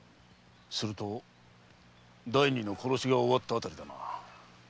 すると第二の殺しが終わったあたりだな。